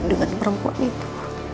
dengan perempuan itu